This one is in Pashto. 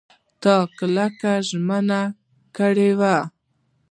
تا کلکه ژمنه کړې وه !